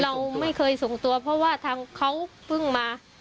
เราไม่เคยส่งตัวเพราะว่าทางเขาเพิ่งมา